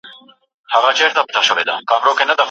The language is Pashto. و شرمېدی .